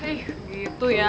ih gitu ya